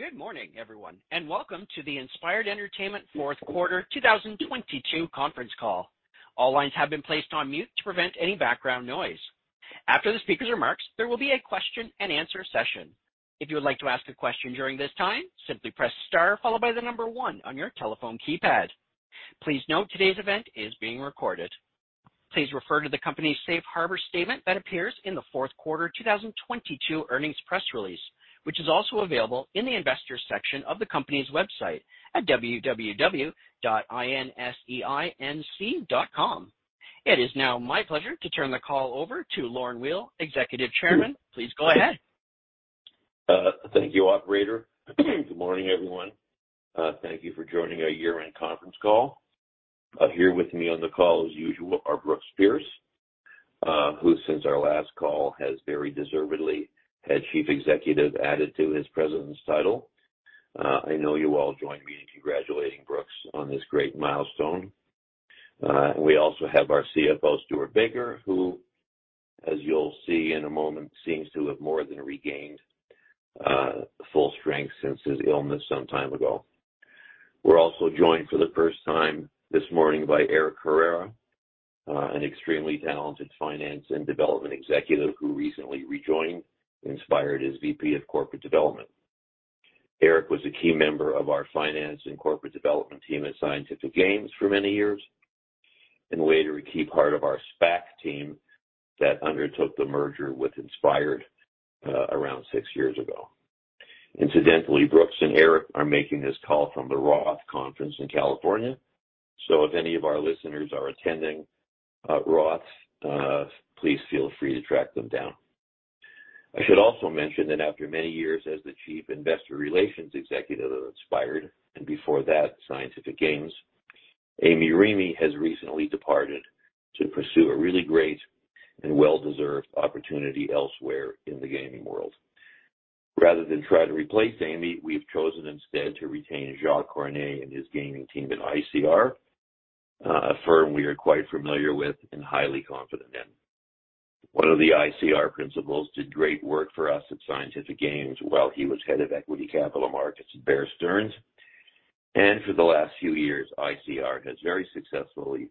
Good morning, everyone. Welcome to the Inspired Entertainment fourth quarter 2022 conference call. All lines have been placed on mute to prevent any background noise. After the speaker's remarks, there will be a question-and-answer session. If you would like to ask a question during this time, simply press star followed by 1 on your telephone keypad. Please note today's event is being recorded. Please refer to the company's safe harbor statement that appears in the fourth quarter 2022 earnings press release, which is also available in the Investors section of the company's website at www.inseinc.com. It is now my pleasure to turn the call over to Lorne Weil, Executive Chairman. Please go ahead. Thank you, operator. Good morning, everyone. Thank you for joining our year-end conference call. Here with me on the call, as usual, are Brooks Pierce, who since our last call, has very deservedly had Chief Executive added to his President's title. I know you all join me in congratulating Brooks on this great milestone. We also have our CFO, Stewart Baker, who, as you'll see in a moment, seems to have more than regained full strength since his illness some time ago. We're also joined for the first time this morning by Eric Herrera, an extremely talented finance and development executive who recently rejoined Inspired as VP of Corporate Development. Eric was a key member of our finance and corporate development team at Scientific Games for many years, and later, a key part of our SPAC team that undertook the merger with Inspired, around six years ago. Incidentally, Brooks and Eric are making this call from the ROTH Conference in California, so if any of our listeners are attending ROTH, please feel free to track them down. I should also mention that after many years as the Chief Investor Relations Executive at Inspired, and before that, Scientific Games, Aimee Remey has recently departed to pursue a really great and well-deserved opportunity elsewhere in the gaming world. Rather than try to replace Aimee, we've chosen instead to retain Jacques Cornet and his gaming team at ICR, a firm we are quite familiar with and highly confident in. One of the ICR principals did great work for us at Scientific Games while he was Head of Equity Capital Markets at Bear Stearns. For the last few years, ICR has very successfully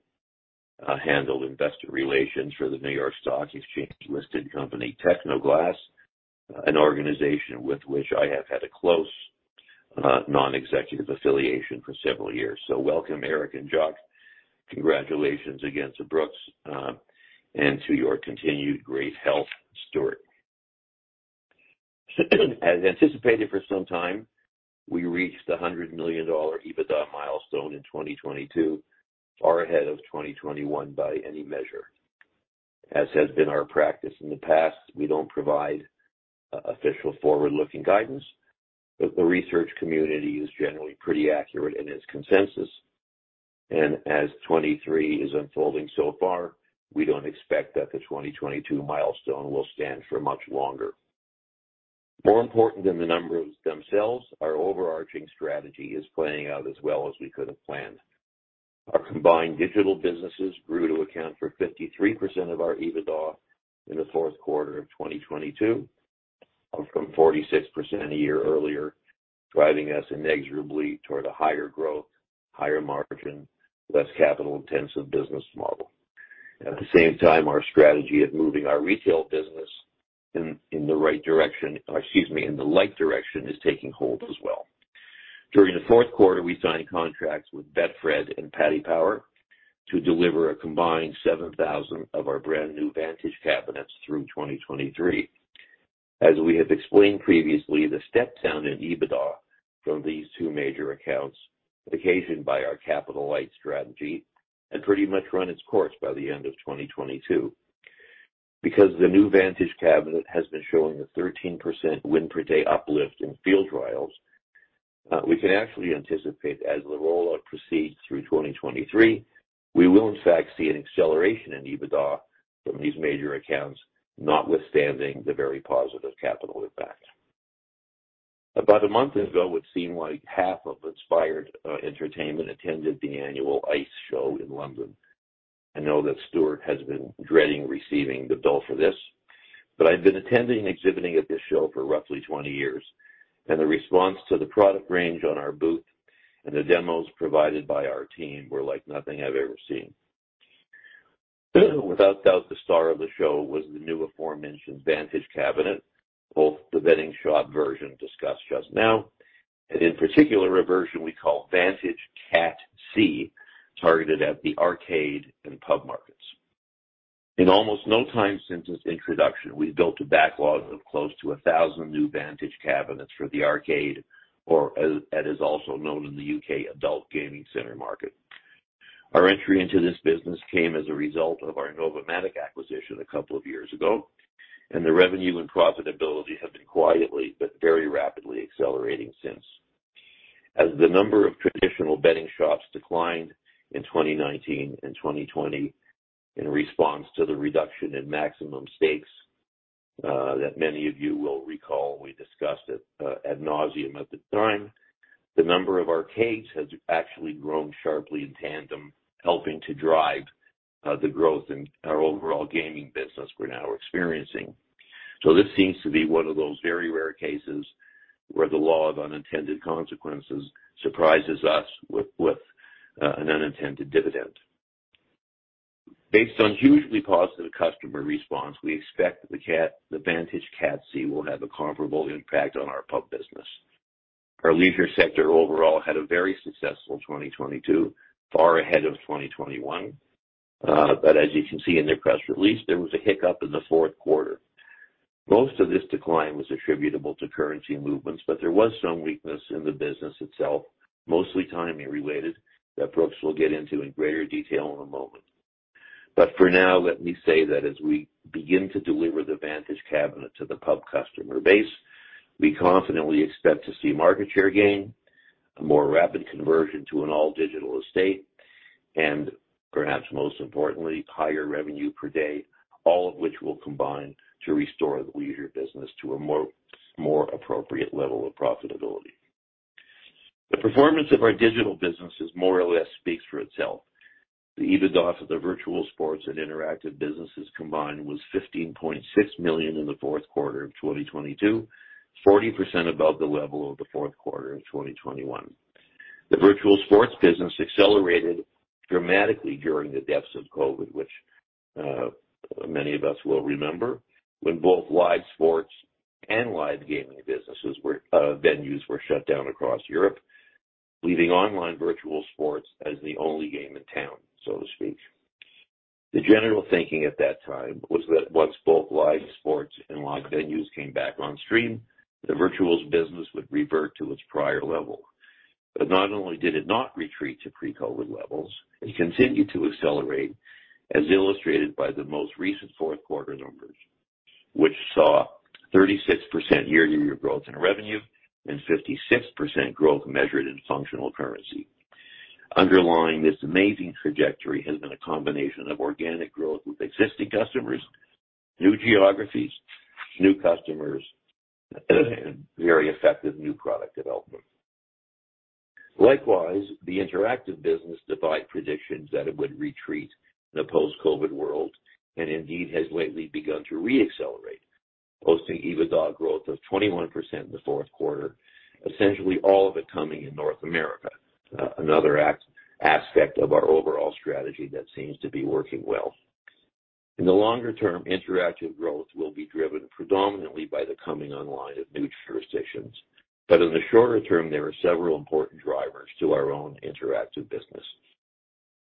handled investor relations for the New York Stock Exchange-listed company, Tecnoglass, an organization with which I have had a close non-executive affiliation for several years. Welcome, Eric and Jacques. Congratulations again to Brooks and to your continued great health, Stewart. As anticipated for some time, we reached a $100 million EBITDA milestone in 2022, far ahead of 2021 by any measure. As has been our practice in the past, we don't provide official forward-looking guidance. The research community is generally pretty accurate in its consensus. As 2023 is unfolding so far, we don't expect that the 2022 milestone will stand for much longer. More important than the numbers themselves, our overarching strategy is playing out as well as we could have planned. Our combined digital businesses grew to account for 53% of our EBITDA in the fourth quarter of 2022, up from 46% a year earlier, driving us inexorably toward a higher growth, higher margin, less capital-intensive business model. At the same time, our strategy of moving our retail business in the right direction, or excuse me, in the light direction, is taking hold as well. During the fourth quarter, we signed contracts with Betfred and Paddy Power to deliver a combined 7,000 of our brand new Vantage cabinets through 2023. As we have explained previously, the step down in EBITDA from these two major accounts, occasioned by our capital light strategy, had pretty much run its course by the end of 2022. The new Vantage cabinet has been showing a 13% win-per-day uplift in field trials, we can actually anticipate as the rollout proceeds through 2023, we will in fact see an acceleration in EBITDA from these major accounts, notwithstanding the very positive capital effect. About a month ago, it seemed like half of Inspired Entertainment attended the annual ICE show in London. I know that Stewart has been dreading receiving the bill for this, but I've been attending exhibiting at this show for roughly 20 years, and the response to the product range on our booth and the demos provided by our team were like nothing I've ever seen. Without doubt, the star of the show was the new aforementioned Vantage cabinet, both the betting shop version discussed just now, and in particular, a version we call Vantage Cat C, targeted at the arcade and pub markets. In almost no time since its introduction, we've built a backlog of close to 1,000 new Vantage cabinets for the arcade, or as that is also known in the U.K. adult gaming center market. Our entry into this business came as a result of our Novomatic acquisition a couple of years ago. The revenue and profitability have been quietly but very rapidly accelerating since. As the number of traditional betting shops declined in 2019 and 2020 in response to the reduction in maximum stakes, that many of you will recall we discussed at ad nauseam at the time. The number of arcades has actually grown sharply in tandem, helping to drive the growth in our overall gaming business we're now experiencing. This seems to be one of those very rare cases where the law of unintended consequences surprises us with an unintended dividend. Based on hugely positive customer response, we expect that the Vantage Cat C will have a comparable impact on our pub business. Our leisure sector overall had a very successful 2022, far ahead of 2021. As you can see in their press release, there was a hiccup in the fourth quarter. Most of this decline was attributable to currency movements, but there was some weakness in the business itself, mostly timing related, that Brooks will get into in greater detail in a moment. For now, let me say that as we begin to deliver the Vantage cabinet to the pub customer base, we confidently expect to see market share gain, a more rapid conversion to an all-digital estate, and perhaps most importantly, higher revenue per day, all of which will combine to restore the leisure business to a more appropriate level of profitability. The performance of our digital businesses more or less speaks for itself. The EBITDA of the virtual sports and interactive businesses combined was $15.6 million in the fourth quarter of 2022, 40% above the level of the fourth quarter of 2021. The virtual sports business accelerated dramatically during the depths of COVID, which many of us will remember, when both live sports and live gaming businesses were, venues were shut down across Europe, leaving online virtual sports as the only game in town, so to speak. The general thinking at that time was that once both live sports and live venues came back on stream, the virtuals business would revert to its prior level. Not only did it not retreat to pre-COVID levels, it continued to accelerate, as illustrated by the most recent fourth quarter numbers, which saw 36% year-over-year growth in revenue and 56% growth measured in functional currency. Underlying this amazing trajectory has been a combination of organic growth with existing customers, new geographies, new customers, and very effective new product development. Likewise, the interactive business defied predictions that it would retreat in a post-COVID world, indeed has lately begun to re-accelerate, posting EBITDA growth of 21% in the fourth quarter, essentially all of it coming in North America, another aspect of our overall strategy that seems to be working well. In the longer term, interactive growth will be driven predominantly by the coming online of new jurisdictions. In the shorter term, there are several important drivers to our own interactive business.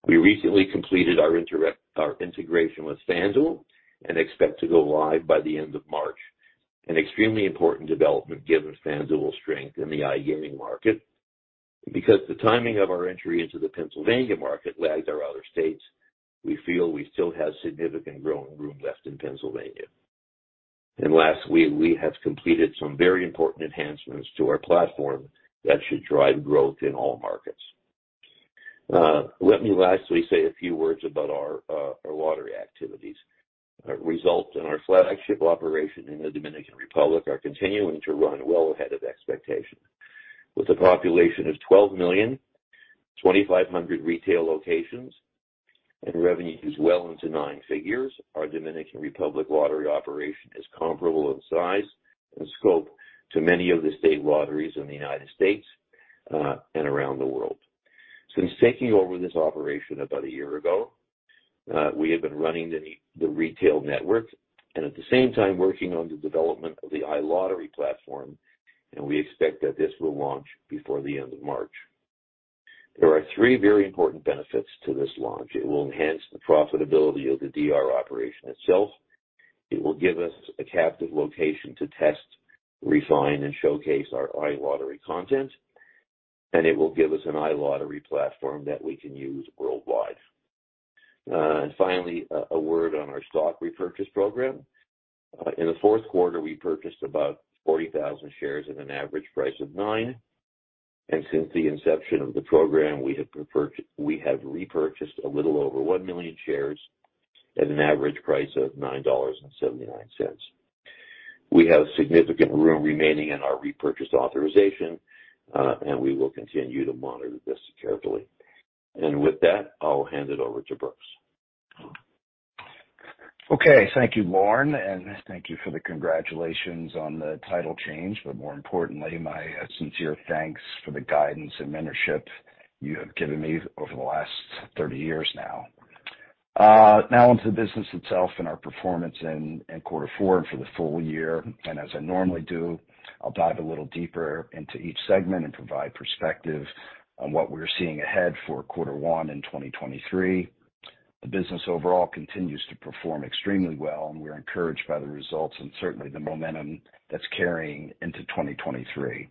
We recently completed our integration with FanDuel and expect to go live by the end of March, an extremely important development given FanDuel's strength in the iGaming market. The timing of our entry into the Pennsylvania market lagged our other states, we feel we still have significant growing room left in Pennsylvania. Last, we have completed some very important enhancements to our platform that should drive growth in all markets. Let me lastly say a few words about our lottery activities. Results in our flagship operation in the Dominican Republic are continuing to run well ahead of expectations. With a population of 12 million, 2,500 retail locations, and revenues well into nine figures, our Dominican Republic lottery operation is comparable in size and scope to many of the state lotteries in the United States and around the world. Since taking over this operation about a year ago, we have been running the retail network and at the same time working on the development of the iLottery platform, and we expect that this will launch before the end of March. There are three very important benefits to this launch. It will enhance the profitability of the DR operation itself. It will give us a captive location to test, refine, and showcase our iLottery content. It will give us an iLottery platform that we can use worldwide. Finally, a word on our stock repurchase program. In the fourth quarter, we purchased about 40,000 shares at an average price of $9. Since the inception of the program, we have repurchased a little over 1 million shares at an average price of $9.79. We have significant room remaining in our repurchase authorization, and we will continue to monitor this carefully. With that, I'll hand it over to Brooks. Okay. Thank you, Lorne Weil, and thank you for the congratulations on the title change, but more importantly, my sincere thanks for the guidance and mentorship you have given me over the last 30 years now. Now onto the business itself and our performance in quarter four and for the full year. As I normally do, I'll dive a little deeper into each segment and provide perspective on what we're seeing ahead for quarter one in 2023. The business overall continues to perform extremely well, and we're encouraged by the results and certainly the momentum that's carrying into 2023.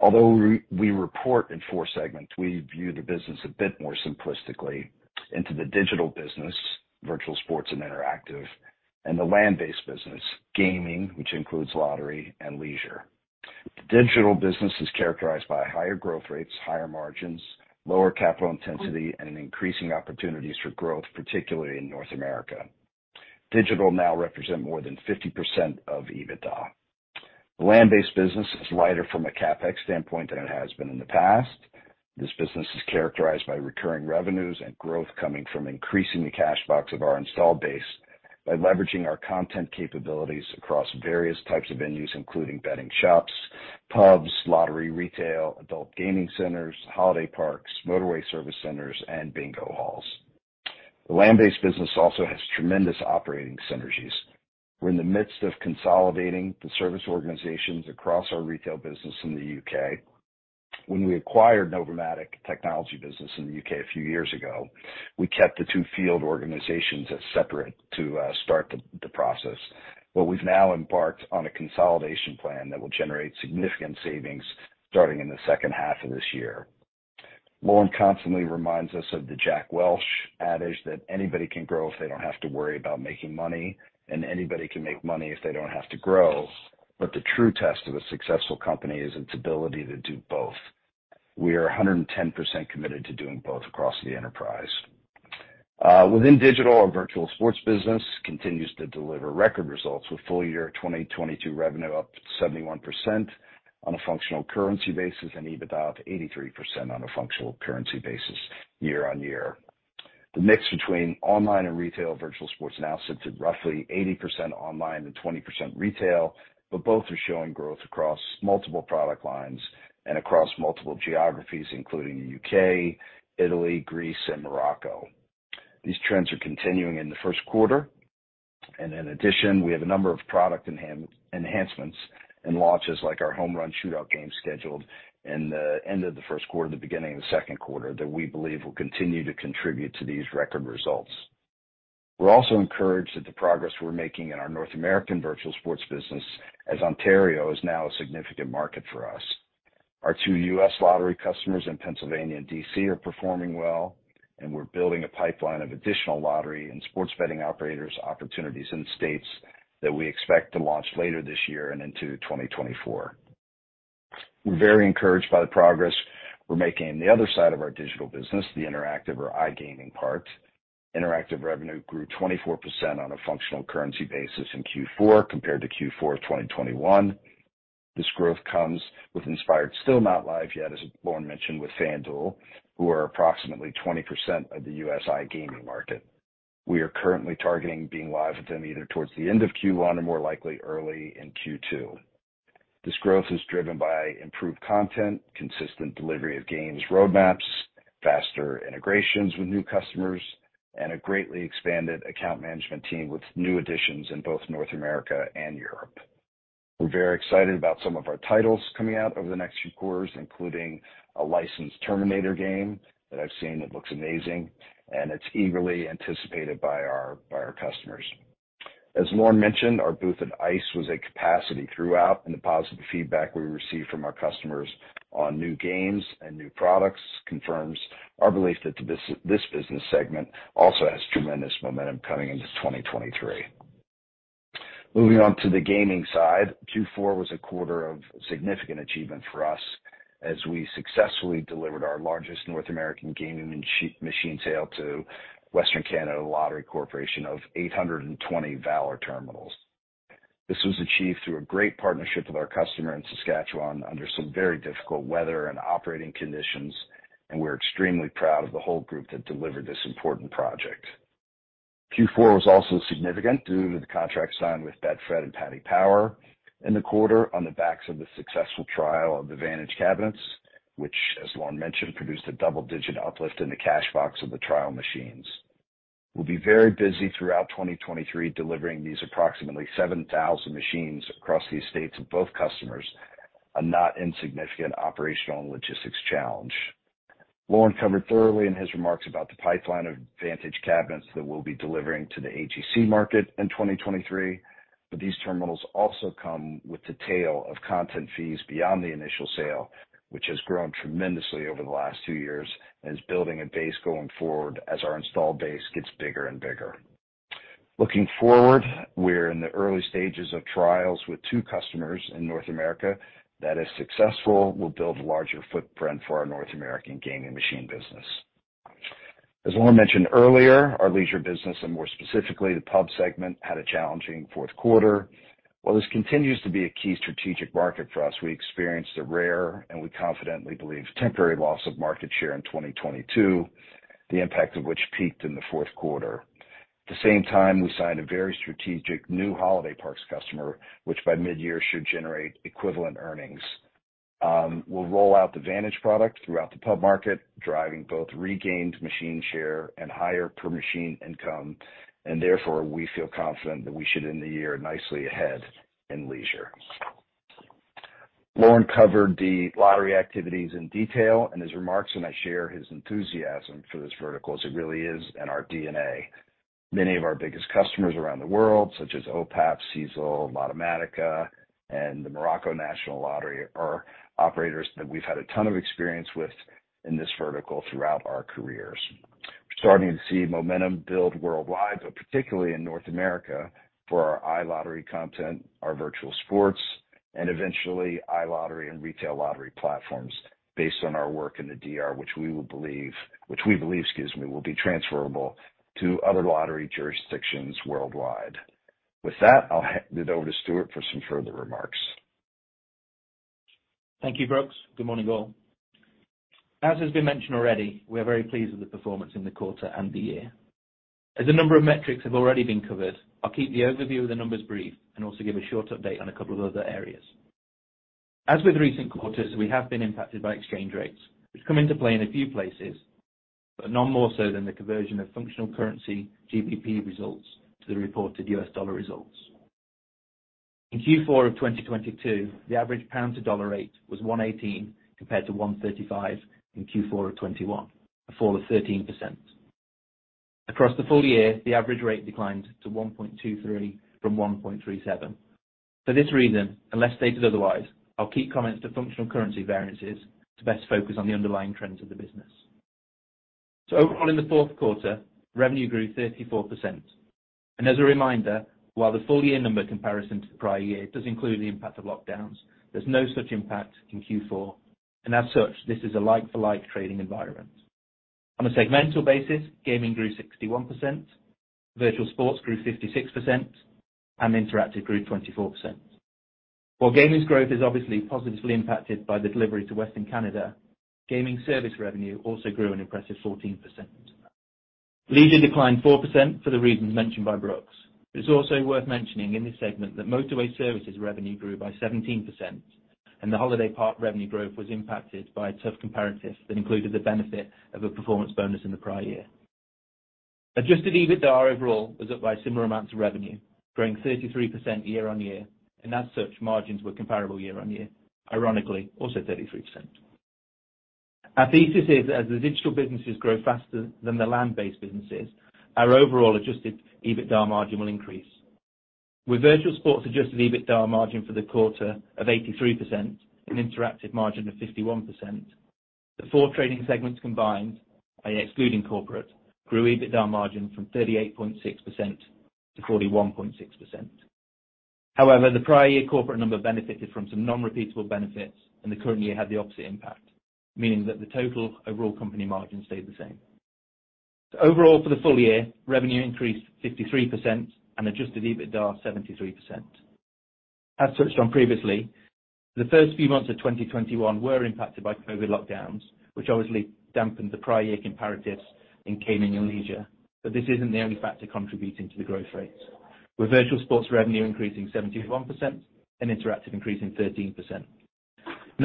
Although we report in four segments, we view the business a bit more simplistically into the digital business, Virtual Sports and Interactive, and the Land-Based business, Gaming, which includes lottery and leisure. The Digital business is characterized by higher growth rates, higher margins, lower capital intensity, and increasing opportunities for growth, particularly in North America. Digital now represent more than 50% of EBITDA. The Land-Based business is lighter from a CapEx standpoint than it has been in the past. This business is characterized by recurring revenues and growth coming from increasing the cash box of our installed base by leveraging our content capabilities across various types of venues, including betting shops, pubs, lottery retail, adult gaming centers, holiday parks, motorway service centers, and bingo halls. The Land-Based business also has tremendous operating synergies. We're in the midst of consolidating the service organizations across our retail business in the U.K. When we acquired Novomatic technology business in the U.K. a few years ago, we kept the two field organizations as separate to start the process. We've now embarked on a consolidation plan that will generate significant savings starting in the second half of this year. Lorne constantly reminds us of the Jack Welch adage that anybody can grow if they don't have to worry about making money, and anybody can make money if they don't have to grow. The true test of a successful company is its ability to do both. We are 110% committed to doing both across the enterprise. Within digital, our virtual sports business continues to deliver record results with full year 2022 revenue up 71% on a functional currency basis and EBITDA up 83% on a functional currency basis year-over-year. The mix between online and retail virtual sports now sits at roughly 80% online and 20% retail, but both are showing growth across multiple product lines and across multiple geographies, including the U.K., Italy, Greece, and Morocco. These trends are continuing in the first quarter. In addition, we have a number of product enhancements and launches like our Home Run Shootout game scheduled in the end of the 1st quarter, the beginning of the second quarter, that we believe will continue to contribute to these record results. We're also encouraged that the progress we're making in our North American virtual sports business as Ontario is now a significant market for us. Our two U.S. lottery customers in Pennsylvania and D.C. are performing well, and we're building a pipeline of additional lottery and sports betting operators opportunities in states that we expect to launch later this year and into 2024. We're very encouraged by the progress we're making on the other side of our digital business, the interactive or iGaming part. Interactive revenue grew 24% on a functional currency basis in Q4 compared to Q4 of 2021. This growth comes with Inspired still not live yet, as Lorne mentioned, with FanDuel, who are approximately 20% of the U.S. iGaming market. We are currently targeting being live with them either towards the end of Q1 or more likely early in Q2. This growth is driven by improved content, consistent delivery of games roadmaps, faster integrations with new customers, and a greatly expanded account management team with new additions in both North America and Europe. We're very excited about some of our titles coming out over the next few quarters, including a licensed The Terminator game that I've seen that looks amazing, and it's eagerly anticipated by our customers. As Lorne mentioned, our booth at ICE was at capacity throughout. The positive feedback we received from our customers on new games and new products confirms our belief that this business segment also has tremendous momentum coming into 2023. Moving on to the gaming side, Q4 was a quarter of significant achievement for us as we successfully delivered our largest North American gaming machine sale to Western Canada Lottery Corporation of 820 Valor terminals. This was achieved through a great partnership with our customer in Saskatchewan under some very difficult weather and operating conditions. We're extremely proud of the whole group that delivered this important project. Q4 was also significant due to the contract signed with Betfred and Paddy Power in the quarter on the backs of the successful trial of the Vantage cabinets, which, as Lorne mentioned, produced a double-digit uplift in the cash box of the trial machines. We'll be very busy throughout 2023 delivering these approximately 7,000 machines across the estates of both customers, a not insignificant operational and logistics challenge. Lorne covered thoroughly in his remarks about the pipeline of Vantage cabinets that we'll be delivering to the AGC market in 2023, but these terminals also come with the tail of content fees beyond the initial sale, which has grown tremendously over the last two years and is building a base going forward as our installed base gets bigger and bigger. Looking forward, we're in the early stages of trials with two customers in North America that, if successful, will build a larger footprint for our North American Gaming Machine business. As Lorne mentioned earlier, our leisure business, and more specifically, the pub segment, had a challenging fourth quarter. While this continues to be a key strategic market for us, we experienced a rare, and we confidently believe, temporary loss of market share in 2022, the impact of which peaked in the fourth quarter. At the same time, we signed a very strategic new holiday parks customer, which by mid-year should generate equivalent earnings. We'll roll out the Vantage product throughout the pub market, driving both regained machine share and higher per machine income, and therefore, we feel confident that we should end the year nicely ahead in leisure. Lorne covered the lottery activities in detail in his remarks, and I share his enthusiasm for this vertical, as it really is in our DNA. Many of our biggest customers around the world, such as OPAP, Sisal, Lottomatica, and the Morocco National Lottery, are operators that we've had a ton of experience with in this vertical throughout our careers. We're starting to see momentum build worldwide, but particularly in North America for our iLottery content, our virtual sports- Eventually iLottery and retail lottery platforms based on our work in the DR, which we believe, excuse me, will be transferable to other lottery jurisdictions worldwide. With that, I'll hand it over to Stewart for some further remarks. Thank you, Brooks. Good morning, all. As has been mentioned already, we are very pleased with the performance in the quarter and the year. As a number of metrics have already been covered, I'll keep the overview of the numbers brief and also give a short update on a couple of other areas. As with recent quarters, we have been impacted by exchange rates, which come into play in a few places, but none more so than the conversion of functional currency GBP results to the reported US dollar results. In Q4 of 2022, the average pound to dollar rate was 1.18x compared to 1.35x in Q4 of 2021, a fall of 13%. Across the full year, the average rate declined to 1.23x from 1.37x. For this reason, unless stated otherwise, I'll keep comments to functional currency variances to best focus on the underlying trends of the business. Overall, in the fourth quarter, revenue grew 34%. As a reminder, while the full year number comparison to the prior year does include the impact of lockdowns, there's no such impact in Q4. As such, this is a like-for-like trading environment. On a segmental basis, gaming grew 61%, virtual sports grew 56%, and interactive grew 24%. While gaming's growth is obviously positively impacted by the delivery to Western Canada, gaming service revenue also grew an impressive 14%. Leisure declined 4% for the reasons mentioned by Brooks. It's also worth mentioning in this segment that motorway services revenue grew by 17%, and the holiday park revenue growth was impacted by a tough comparative that included the benefit of a performance bonus in the prior year. Adjusted EBITDA overall was up by a similar amount to revenue, growing 33% year-on-year, and as such margins were comparable year-on-year, ironically, also 33%. Our thesis is as the digital businesses grow faster than the land-based businesses, our overall adjusted EBITDA margin will increase. With virtual sports adjusted EBITDA margin for the quarter of 83% and interactive margin of 51%, the four trading segments combined, and excluding corporate, grew EBITDA margin from 38.6% to 41.6%. The prior year corporate number benefited from some non-repeatable benefits, and the current year had the opposite impact, meaning that the total overall company margin stayed the same. Overall, for the full year, revenue increased 53% and adjusted EBITDA 73%. As touched on previously, the first few months of 2021 were impacted by COVID lockdowns, which obviously dampened the prior year comparatives in gaming and leisure. This isn't the only factor contributing to the growth rates, with virtual sports revenue increasing 71% and interactive increasing 13%. As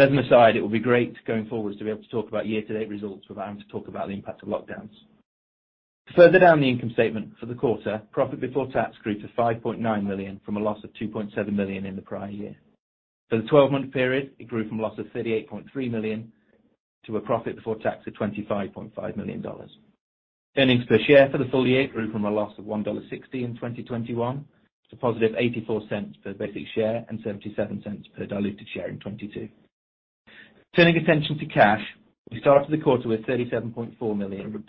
an aside, it will be great going forward to be able to talk about year-to-date results without having to talk about the impact of lockdowns. Further down the income statement for the quarter, profit before tax grew to $5.9 million from a loss of $2.7 million in the prior year. For the 12-month period, it grew from a loss of $38.3 million to a profit before tax of $25.5 million. Earnings per share for the full year grew from a loss of $1.60 in 2021 to positive $0.84 per basic share and $0.77 per diluted share in 2022. Turning attention to cash, we started the quarter with $37.4 million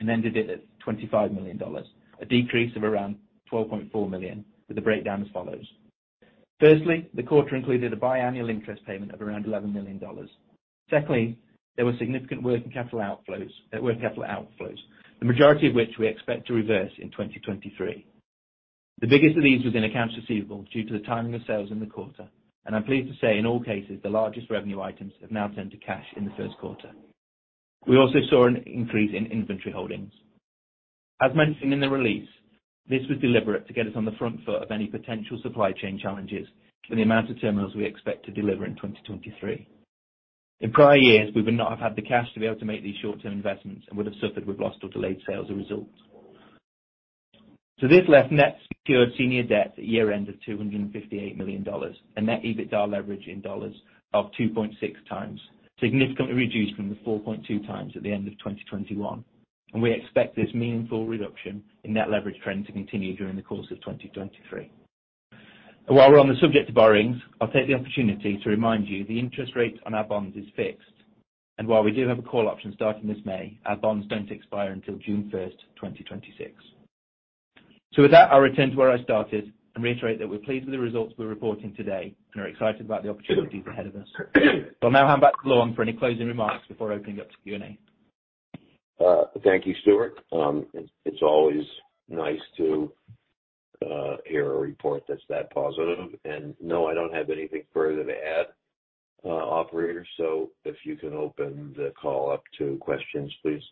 and ended it at $25 million, a decrease of around $12.4 million, with the breakdown as follows. Firstly, the quarter included a biannual interest payment of around $11 million. Secondly, there were significant working capital outflows, the majority of which we expect to reverse in 2023. The biggest of these was in accounts receivable due to the timing of sales in the quarter, and I'm pleased to say in all cases, the largest revenue items have now turned to cash in the first quarter. We also saw an increase in inventory holdings. As mentioned in the release, this was deliberate to get us on the front foot of any potential supply chain challenges for the amount of terminals we expect to deliver in 2023. In prior years, we would not have had the cash to be able to make these short-term investments and would have suffered with lost or delayed sales as a result. This left net secured senior debt at year-end of $258 million and net EBITDA leverage in dollars of 2.6x, significantly reduced from the 4.2x at the end of 2021. We expect this meaningful reduction in net leverage trend to continue during the course of 2023. While we're on the subject of borrowings, I'll take the opportunity to remind you the interest rate on our bonds is fixed. While we do have a call option starting this May, our bonds don't expire until June first, 2026. With that, I'll return to where I started and reiterate that we're pleased with the results we're reporting today and are excited about the opportunities ahead of us. I'll now hand back to Lorne for any closing remarks before opening up to Q&A. Thank you, Stewart. It's always nice to hear a report that's that positive. No, I don't have anything further to add, operator. If you can open the call up to questions, please.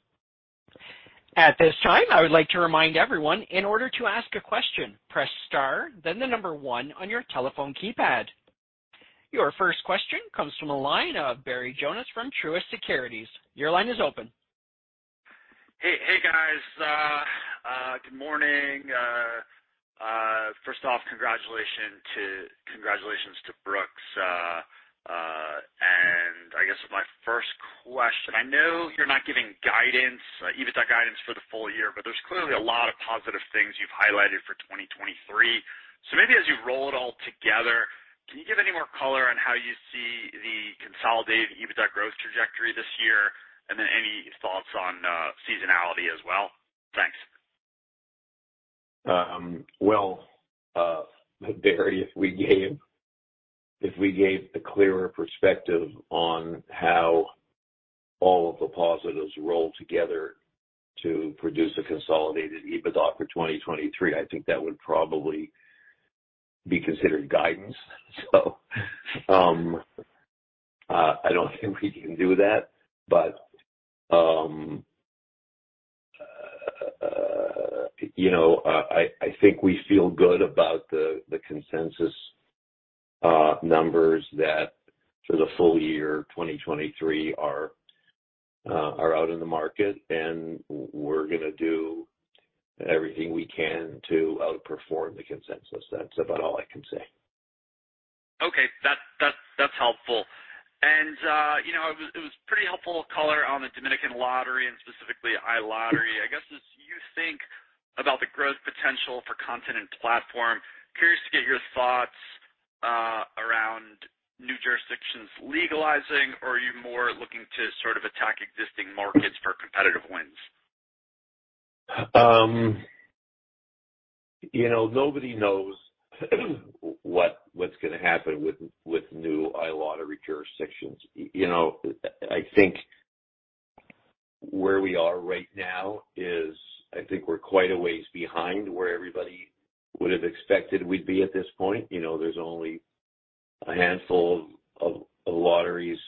At this time, I would like to remind everyone in order to ask a question, press star, then 1 on your telephone keypad. Your first question comes from the line of Barry Jonas from Truist Securities. Your line is open. Hey, hey, guys. Good morning. First off, congratulations to Brooks. I guess my first question, I know you're not giving guidance, EBITDA guidance for the full year, but there's clearly a lot of positive things you've highlighted for 2023. Maybe as you roll it all together, can you give any more color on how you see the consolidated EBITDA growth trajectory this year? Any thoughts on seasonality as well? Thanks. Well, Barry, if we gave a clearer perspective on how all of the positives roll together to produce a consolidated EBITDA for 2023, I think that would probably be considered guidance. I don't think we can do that, but, you know, I think we feel good about the consensus numbers that for the full year 2023 are out in the market, and we're gonna do everything we can to outperform the consensus. That's about all I can say. Okay. That's helpful. You know, it was pretty helpful color on the Dominican lottery and specifically iLottery. I guess, as you think about the growth potential for content and platform, curious to get your thoughts around new jurisdictions legalizing, or are you more looking to sort of attack existing markets for competitive wins? You know, nobody knows what's gonna happen with new iLottery jurisdictions. You know, I think where we are right now is I think we're quite a ways behind where everybody would have expected we'd be at this point. You know, there's only a handful of lotteries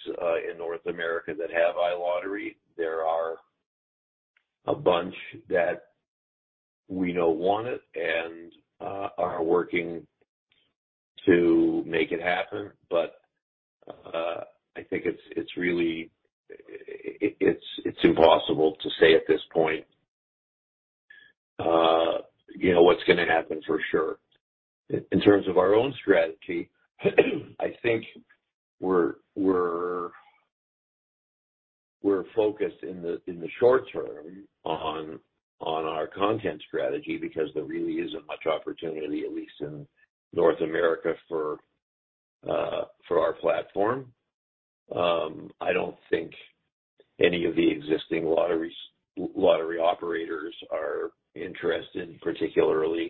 in North America that have iLottery. There are a bunch that we know want it and are working to make it happen. I think it's really. It's impossible to say at this point, you know, what's gonna happen for sure. In terms of our own strategy, I think we're focused in the short term on our content strategy because there really isn't much opportunity, at least in North America, for our platform. I don't think any of the existing lottery operators are interested, particularly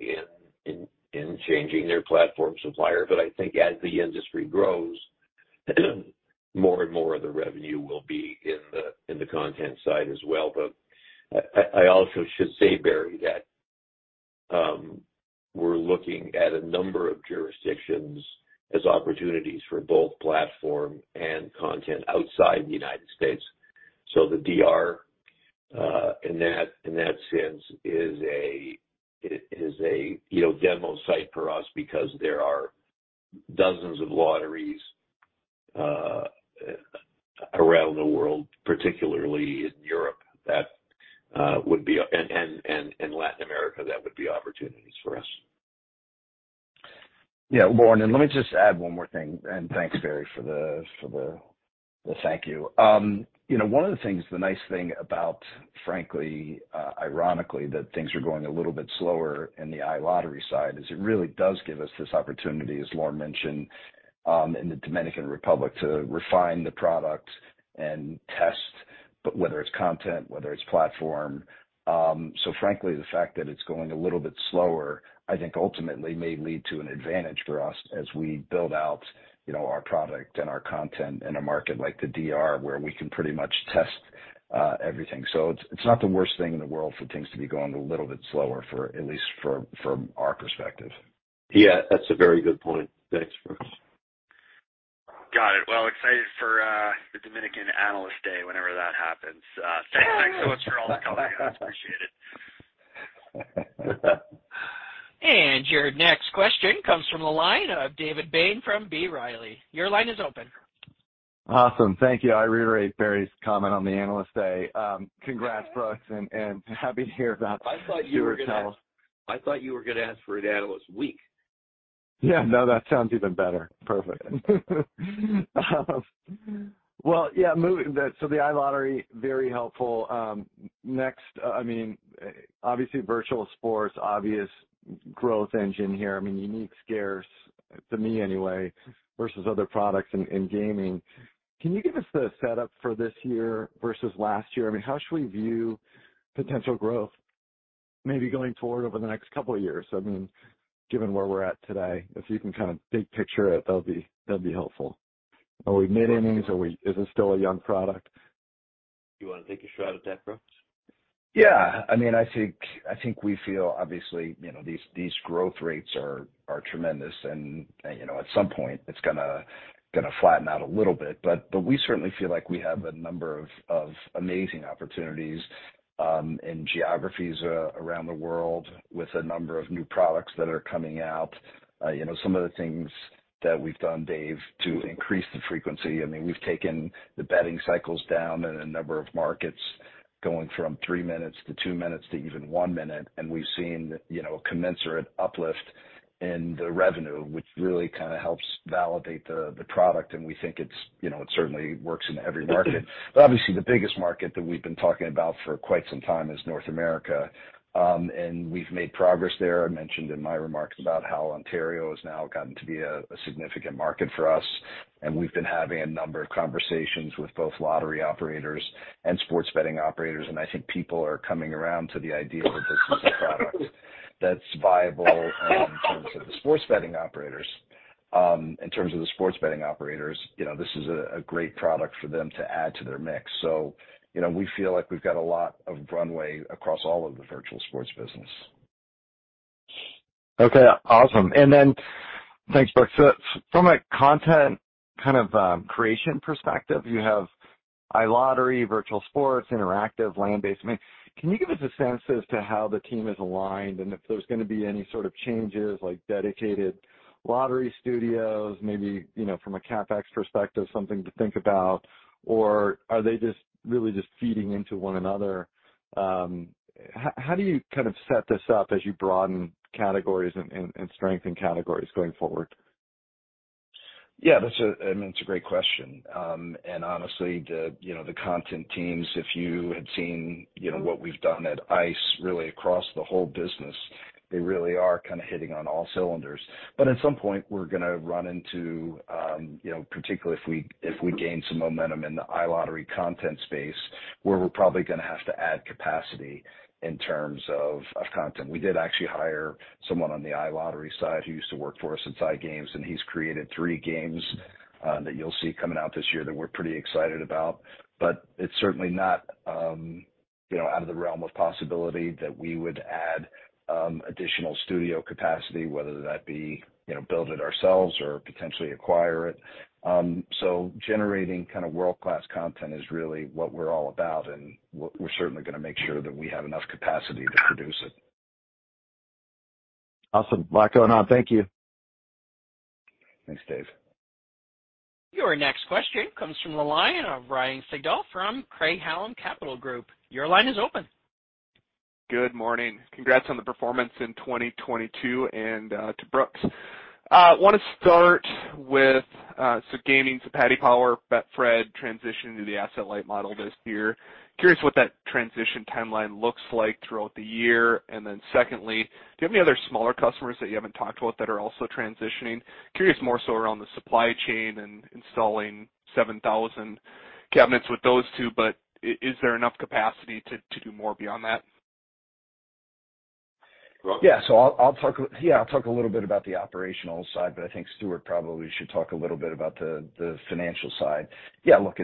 in changing their platform supplier. I think as the industry grows, more and more of the revenue will be in the content side as well. I also should say, Barry, that we're looking at a number of jurisdictions as opportunities for both platform and content outside the United States. The DR, in that sense is a, you know, demo site for us because there are dozens of lotteries around the world, particularly in Europe, and Latin America, that would be opportunities for us. Yeah. Lorne, let me just add one more thing, thanks, Barry, for the thank you. You know, one of the things, the nice thing about frankly, ironically, that things are going a little bit slower in the iLottery side is it really does give us this opportunity, as Lorne mentioned, in the Dominican Republic to refine the product and test whether it's content, whether it's platform. Frankly, the fact that it's going a little bit slower, I think ultimately may lead to an advantage for us as we build out, you know, our product and our content in a market like the DR, where we can pretty much test everything. It's not the worst thing in the world for things to be going a little bit slower for at least from our perspective. Yeah, that's a very good point. Thanks, Brooks. Got it. Well, excited for the Dominican Analyst Day, whenever that happens. Thanks so much for all the color. I appreciate it. Your next question comes from the line of David Bain from B. Riley. Your line is open. Awesome. Thank you. I reiterate Barry's comment on the Analyst Day. Congrats, Brooks, and happy to hear about Stewart Baker. I thought you were gonna ask for an analyst week. Yeah. No, that sounds even better. Perfect. Well, yeah. So the iLottery, very helpful. Next, I mean, obviously virtual sports, obvious growth engine here. I mean, unique scarce to me anyway versus other products in gaming. Can you give us the setup for this year versus last year? I mean, how should we view potential growth maybe going forward over the next couple of years? I mean, given where we're at today, if you can kind of big picture it, that'd be helpful. Are we mid-innings? Is this still a young product? You wanna take a shot at that, Brooks? Yeah. I mean, I think we feel obviously, you know, these growth rates are tremendous and, you know, at some point it's gonna flatten out a little bit. We certainly feel like we have a number of amazing opportunities in geographies around the world with a number of new products that are coming out. You know, some of the things that we've done, Dave, to increase the frequency, I mean, we've taken the betting cycles down in a number of markets going from three minutes to two minutes to even one minute, and we've seen, you know, a commensurate uplift in the revenue, which really kinda helps validate the product, and we think it's, you know, it certainly works in every market. Obviously the biggest market that we've been talking about for quite some time is North America. We've made progress there. I mentioned in my remarks about how Ontario has now gotten to be a significant market for us, and we've been having a number of conversations with both lottery operators and sports betting operators, and I think people are coming around to the idea that this is a product that's viable in terms of the sports betting operators. In terms of the sports betting operators, you know, this is a great product for them to add to their mix. You know, we feel like we've got a lot of runway across all of the virtual sports business. Okay, awesome. Thanks, Brooks. From a content kind of creation perspective, you have iLottery, virtual sports, interactive, land-based. I mean, can you give us a sense as to how the team is aligned and if there's gonna be any sort of changes like dedicated lottery studios, maybe, you know, from a CapEx perspective, something to think about? Or are they just really just feeding into one another? How do you kind of set this up as you broaden categories and strengthen categories going forward? Yeah, I mean, it's a great question. Honestly, the, you know, the content teams, if you had seen, you know, what we've done at ICE really across the whole business, they really are kind of hitting on all cylinders. At some point, we're going to run into, you know, particularly if we, if we gain some momentum in the iLottery content space, where we're probably going to have to add capacity in terms of content. We did actually hire someone on the iLottery side who used to work for us at SciGames, he's created three games that you'll see coming out this year that we're pretty excited about. It's certainly not, you know, out of the realm of possibility that we would add additional studio capacity, whether that be, you know, build it ourselves or potentially acquire it. Generating kind of world-class content is really what we're all about, and we're certainly gonna make sure that we have enough capacity to produce it. Awesome. Lot going on. Thank you. Thanks, David. Your next question comes from the line of Ryan Sigdahl from Craig-Hallum Capital Group. Your line is open. Good morning. Congrats on the performance in 2022 and to Brooks. Wanna start with Gaming, Paddy Power, Betfred transitioning to the asset-light model this year. Curious what that transition timeline looks like throughout the year. Secondly, do you have any other smaller customers that you haven't talked about that are also transitioning? Curious more so around the supply chain and installing 7,000 cabinets with those two, is there enough capacity to do more beyond that? I'll talk a little bit about the operational side, but I think Stewart probably should talk a little bit about the financial side. Look,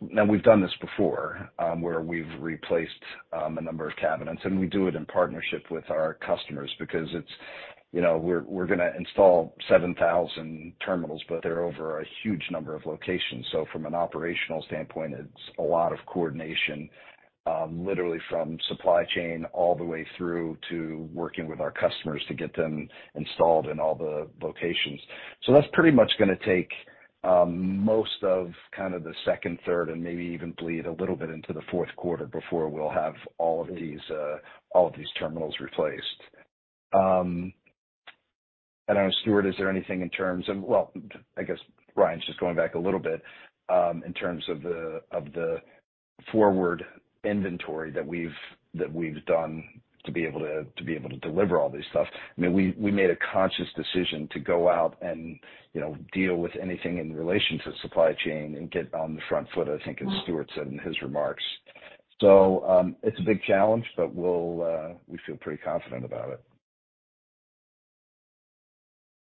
now we've done this before, where we've replaced a number of cabinets, and we do it in partnership with our customers because it's, you know, we're gonna install 7,000 terminals, but they're over a huge number of locations. From an operational standpoint, it's a lot of coordination, literally from supply chain all the way through to working with our customers to get them installed in all the locations. That's pretty much gonna take most of kind of the second, third, and maybe even bleed a little bit into the fourth quarter before we'll have all of these terminals replaced. I don't know, Stewart, is there anything in terms of... Well, I guess, Ryan, just going back a little bit, in terms of the forward inventory that we've done to be able to deliver all this stuff. I mean, we made a conscious decision to go out and, you know, deal with anything in relation to supply chain and get on the front foot, I think, as Stewart said in his remarks. It's a big challenge, but we'll, we feel pretty confident about it.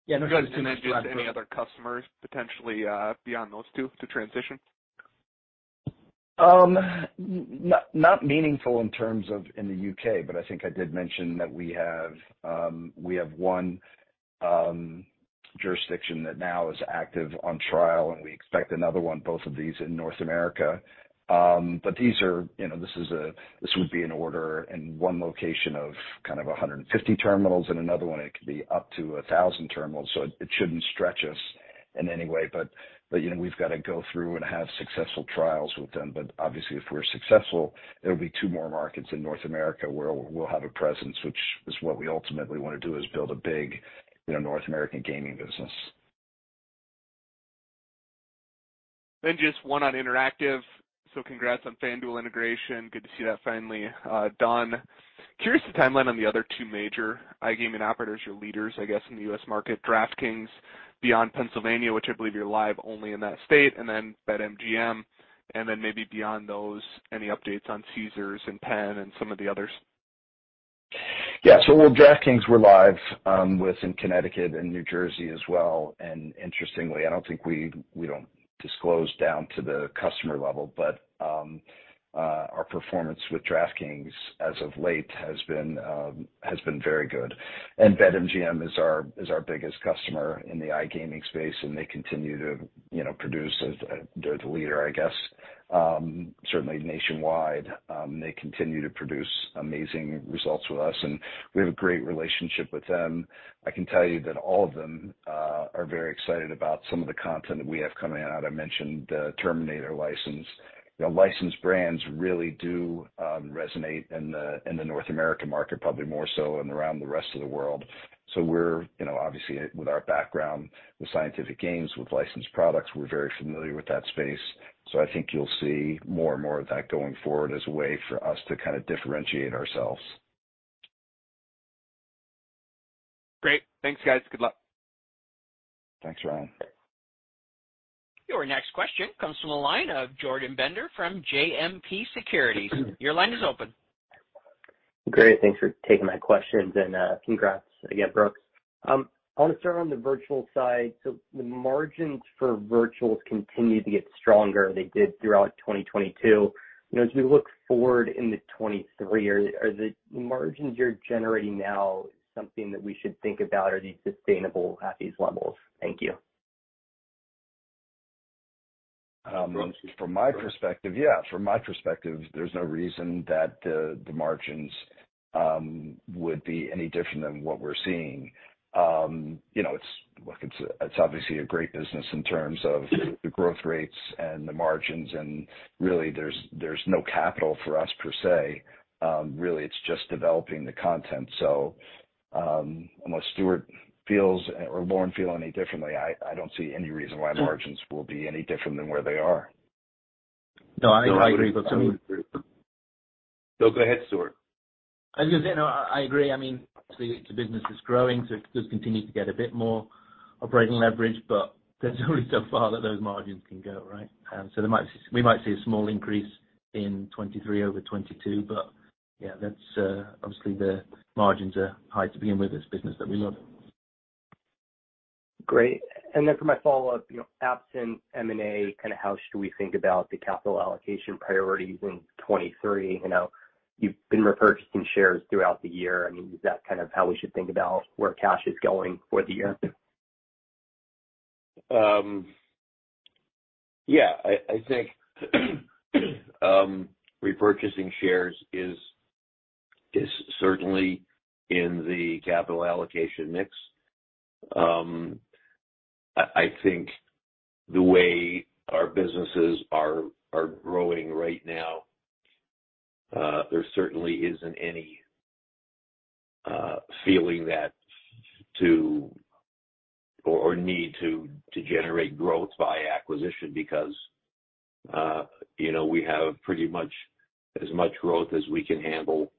Yeah.You guys gonna do any other customers potentially, beyond those two to transition? Not meaningful in terms of in the U.K. I think I did mention that we have one jurisdiction that now is active on trial, and we expect another one, both of these in North America. These are, you know, this would be an order in one location of kind of 150 terminals, and another one, it could be up to 1,000 terminals, so it shouldn't stretch us in any way. You know, we've got to go through and have successful trials with them. Obviously, if we're successful, there'll be two more markets in North America where we'll have a presence, which is what we ultimately wanna do, is build a big, you know, North American Gaming business. Just one on interactive. Congrats on FanDuel integration. Good to see that finally done. Curious the timeline on the other two major iGaming operators or leaders, I guess, in the U.S. market, DraftKings beyond Pennsylvania, which I believe you're live only in that state, and then BetMGM. Maybe beyond those, any updates on Caesars and Penn and some of the others? Yeah. With DraftKings, we're live in Connecticut and New Jersey as well. Interestingly, I don't think we don't disclose down to the customer level, but our performance with DraftKings as of late has been very good. BetMGM is our biggest customer in the iGaming space, and they continue to, you know, produce as they're the leader, I guess, certainly nationwide. They continue to produce amazing results with us, and we have a great relationship with them. I can tell you that all of them are very excited about some of the content that we have coming out. I mentioned The Terminator license. You know, licensed brands really do resonate in the North American market, probably more so than around the rest of the world. We're, you know, obviously with our background with Scientific Games, with licensed products, we're very familiar with that space. I think you'll see more and more of that going forward as a way for us to kind of differentiate ourselves. Great. Thanks, guys. Good luck. Thanks, Ryan. Your next question comes from the line of Jordan Bender from JMP Securities. Your line is open. Great. Thanks for taking my questions, and congrats again, Brooks. I wanna start on the Virtual side. The margins for Virtuals continue to get stronger. They did throughout 2022. You know, as we look forward into 2023, are the margins you're generating now something that we should think about are these sustainable at these levels? Thank you. From my perspective, from my perspective, there's no reason that the margins would be any different than what we're seeing. You know, look, it's obviously a great business in terms of the growth rates and the margins, really there's no capital for us per se. Really it's just developing the content. Unless Stewart feels or Lorne feel any differently, I don't see any reason why margins will be any different than where they are. No, I think I agree with him. No, go ahead, Stewart. I was gonna say, no, I agree. I mean, the business is growing, it does continue to get a bit more operating leverage, there's only so far that those margins can go, right? We might see a small increase in 2023 over 2022. Yeah, that's, obviously the margins are high to begin with, it's business that we love. Great. For my follow-up, you know, absent M&A, kind of how should we think about the capital allocation priorities in 2023? You know, you've been repurchasing shares throughout the year. I mean, is that kind of how we should think about where cash is going for the year? Yeah. I think repurchasing shares is certainly in the capital allocation mix. I think the way our businesses are growing right now, there certainly isn't any feeling or need to generate growth by acquisition because, you know, we have pretty much as much growth as we can handle,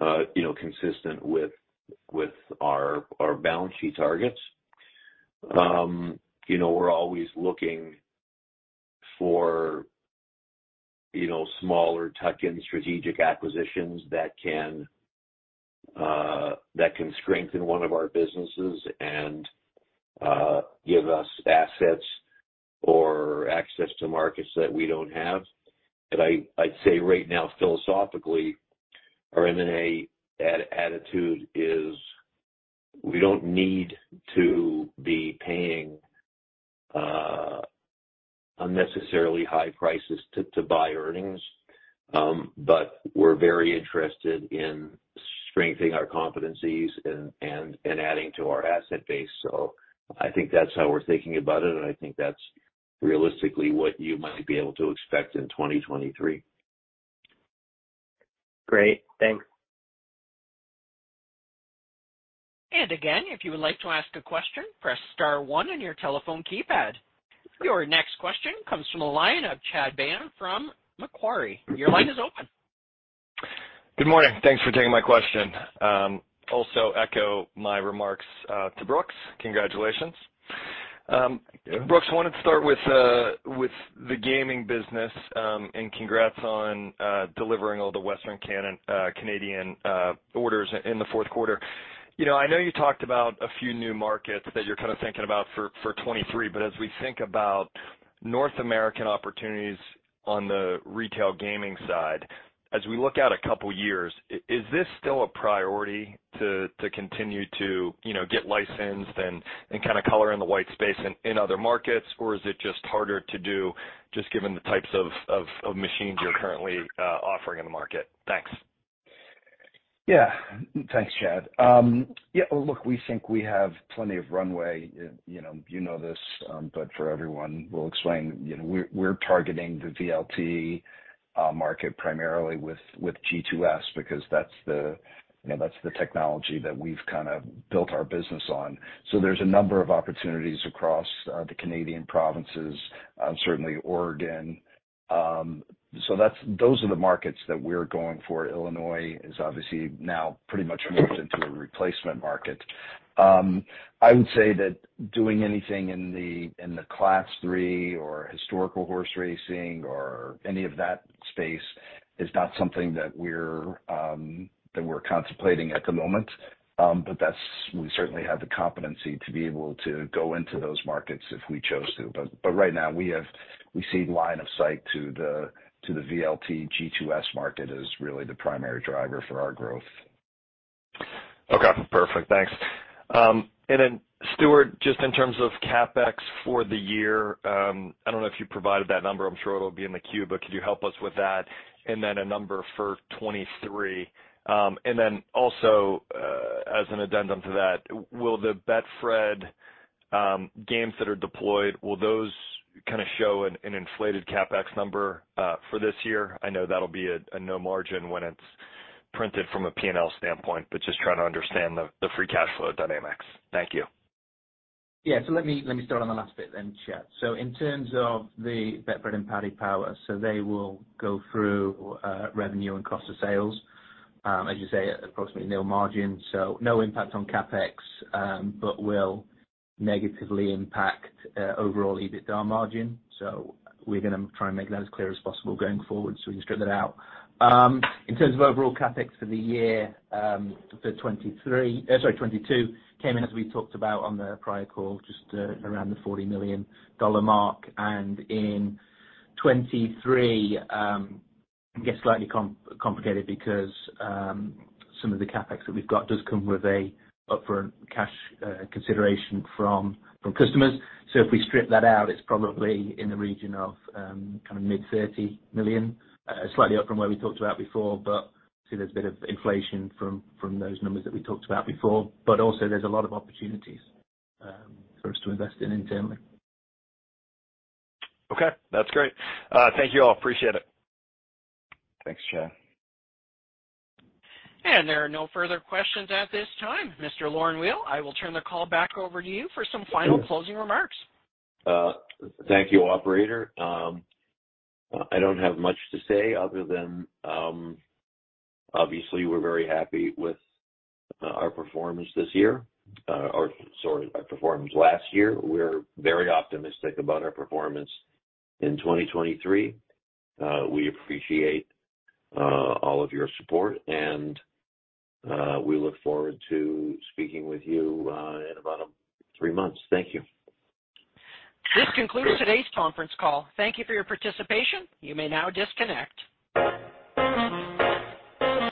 you know, consistent with our balance sheet targets. You know, we're always looking for, you know, smaller tuck-in strategic acquisitions that can strengthen one of our businesses and give us assets or access to markets that we don't have. I'd say right now, philosophically our M&A attitude is we don't need to be paying unnecessarily high prices to buy earnings. We're very interested in strengthening our competencies and adding to our asset base. I think that's how we're thinking about it, and I think that's realistically what you might be able to expect in 2023. Great. Thanks. Again, if you would like to ask a question, press star one on your telephone keypad. Your next question comes from the line of Chad Beynon from Macquarie. Your line is open. Good morning. Thanks for taking my question. Also echo my remarks to Brooks. Congratulations. Thank you. Brooks, wanted to start with the Gaming business, and congrats on delivering all the Western Canada Canadian orders in the fourth quarter. You know, I know you talked about a few new markets that you're kinda thinking about for 2023. As we think about North American opportunities on the retail gaming side, as we look out a couple years, is this still a priority to continue to, you know, get licensed and kinda color in the white space in other markets, or is it just harder to do just given the types of machines you're currently offering in the market? Thanks. Yeah. Thanks, Chad. Yeah, look, we think we have plenty of runway, you know. You know this, but for everyone we'll explain, you know, we're targeting the VLT market primarily with G2S because that's the, you know, that's the technology that we've kind of built our business on. There's a number of opportunities across the Canadian provinces, certainly Oregon. That's those are the markets that we're going for. Illinois is obviously now pretty much moved into a replacement market. I would say that doing anything in the, in the Class III or Historical Horse Racing or any of that space is not something that we're, that we're contemplating at the moment. That's, we certainly have the competency to be able to go into those markets if we chose to. Right now we have, we see line of sight to the VLT G2S market as really the primary driver for our growth. Okay. Perfect. Thanks. Stewart, just in terms of CapEx for the year, I don't know if you provided that number. I'm sure it'll be in the queue, but could you help us with that? A number for 2023. Also, as an addendum to that, will the Betfred games that are deployed, will those kinda show an inflated CapEx number for this year? I know that'll be a no margin when it's printed from a P&L standpoint, but just trying to understand the free cash flow dynamics. Thank you. Yeah. Let me start on the last bit then, Chad. In terms of the Betfred and Paddy Power, so they will go through revenue and cost of sales, as you say, at approximately nil margin, so no impact on CapEx, but will negatively impact overall EBITDA margin. We're gonna try and make that as clear as possible going forward so we can strip that out. In terms of overall CapEx for the year, for 2023, sorry, 2022 came in, as we talked about on the prior call, just around the $40 million mark. In 2023, it gets slightly complicated because some of the CapEx that we've got does come with a upfront cash consideration from customers. If we strip that out, it's probably in the region of kind of mid $30 million, slightly up from where we talked about before, but see there's a bit of inflation from those numbers that we talked about before. Also there's a lot of opportunities for us to invest in internally. Okay. That's great. Thank you all. Appreciate it. Thanks, Chad. There are no further questions at this time. Mr. Lorne Weil, I will turn the call back over to you for some final closing remarks. Thank you, operator. I don't have much to say other than obviously we're very happy with our performance this year, or sorry, our performance last year. We're very optimistic about our performance in 2023. We appreciate all of your support and we look forward to speaking with you in about three months. Thank you. This concludes today's conference call. Thank you for your participation. You may now disconnect.